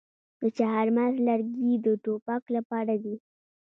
د چهارمغز لرګي د ټوپک لپاره دي.